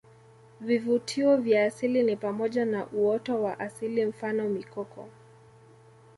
Vivutio vya asili ni pamoja na uoto wa asili mfano mikoko